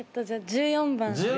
１４番。